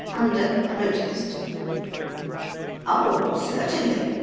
Under protest." " Oh, certainly